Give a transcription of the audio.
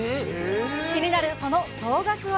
気になるその総額は。